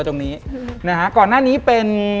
ตรงนี้นะฮะก่อนหน้านี้เป็น